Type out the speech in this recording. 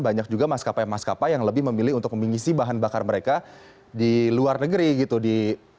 banyak juga maskapai maskapai yang lebih memilih untuk mengisi bahan bakar mereka di luar negeri gitu